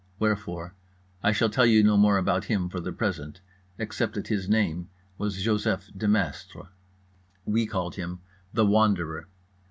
Wherefore I shall tell you no more about him for the present, except that his name was Joseph Demestre. We called him The Wanderer.